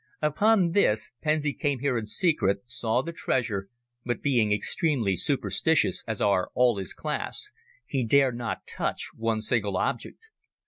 Upon this, Pensi came here in secret, saw the treasure, but being extremely superstitious, as are all his class, he dare not touch one single object.